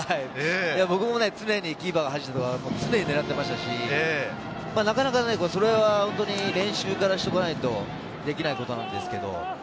僕も常にキーパーがはじいたところを狙っていましたし、なかなかそれは本当に練習からしておかないと、できないことなんですけれど。